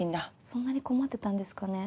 そんなに困ってたんですかね。